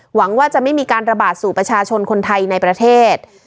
หวังว่าจะไม่มีการระบาดสู่ประชาชนคนไทยในประเทศ